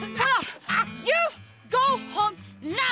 ini dia harus ikut gua